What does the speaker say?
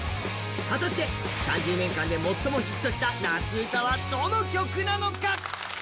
果たして３０年間で最もヒットした夏うたはどの曲なのか？